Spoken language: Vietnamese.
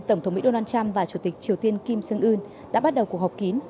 tổng thống mỹ donald trump và chủ tịch triều tiên kim sương ưn đã bắt đầu cuộc họp kín